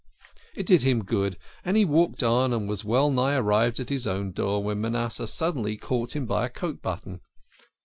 It did him good, and he walked on and was well nigh arrived at his own door when Manasseh suddenly caught him by a coat button.